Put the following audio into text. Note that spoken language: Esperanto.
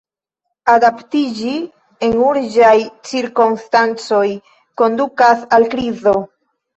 Adaptiĝi en urĝaj cirkonstancoj kondukas al krizo.